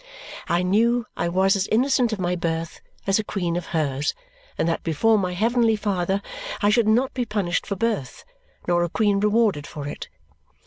I knew I was as innocent of my birth as a queen of hers and that before my Heavenly Father I should not be punished for birth nor a queen rewarded for it.